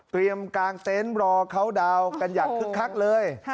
เตรียมกางเต็นต์รอเขาดาวกันอย่างคึกคักเลย